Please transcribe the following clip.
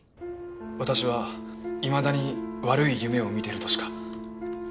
私はいまだに悪い夢を見てるとしか。